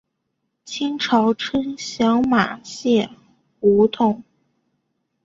清朝称小麻线胡同。